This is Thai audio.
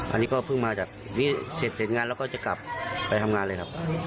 อันนี้ก็เพิ่งมาจากนี้เสร็จเสร็จงานแล้วก็จะกลับไปทำงานเลยครับ